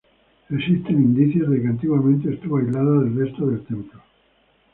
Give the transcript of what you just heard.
Existen indicios de que antiguamente estuvo aislada del resto del templo.